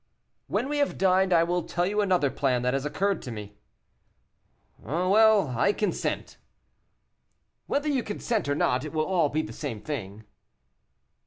"When we have dined I will tell you another plan that has occurred to me." "Well, I consent." "Whether you consent or not, it will be all the same thing."